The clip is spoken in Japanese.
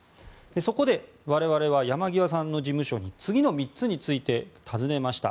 そこで我々は山際さんの事務所に次の３つについて尋ねました。